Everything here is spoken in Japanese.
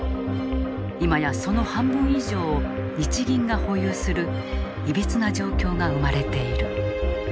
今やその半分以上を日銀が保有するいびつな状況が生まれている。